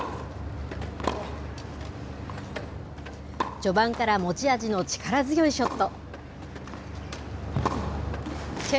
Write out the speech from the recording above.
序盤から持ち味の力強いショット。